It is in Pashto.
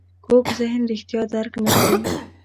کوږ ذهن رښتیا درک نه کړي